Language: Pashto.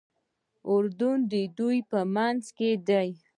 اردن د دوی په منځ کې دی.